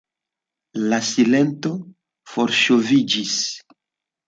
La silento forŝoviĝis.